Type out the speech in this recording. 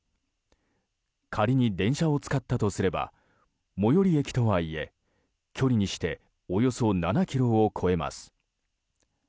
仮に電車を使ったとすれば最寄り駅とはいえ距離にしておよそ７ｋｍを超えます。